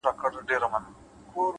ښه نیت نیمه نیکي ده،